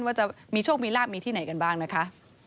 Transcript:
ว่าจะมีโชคมีลาบมีที่ไหนกันบ้างนะคะ